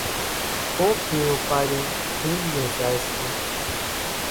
ڪونڪ نِيون پاڙون اونڏِيون زائيَ سي۔